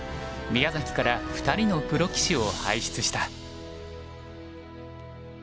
宮崎から２人のプロ棋士を輩出した。